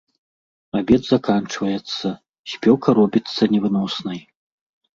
Абед заканчваецца, спёка робіцца невыноснай.